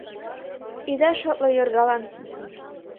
Ида шотло йоргалан.